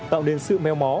tạo nên sự meo mó